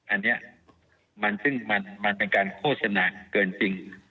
อันนี้ซึ่งมันเป็นการโฆษณาเกินจริง